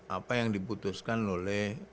apa yang diputuskan oleh